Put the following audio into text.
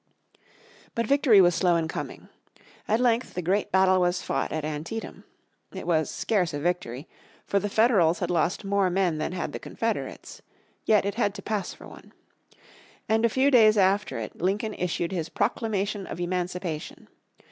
But victory was slow in coming. At length the great battle was fought at Antietam. It was scarce a victory, for the Federals had lost more men than had the Confederates. Yet it had to pass for one. And a few days after it Lincoln issued his Proclamation of Emancipation.